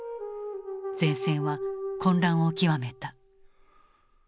前線は混乱を極めた。